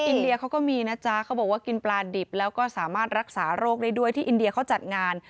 อินเดียเขาก็มีนะจ๊ะเขาบอกว่ากินปลาดิบแล้วก็สามารถรักษาโรคได้ด้วยที่อินเดียเขาจัดงาน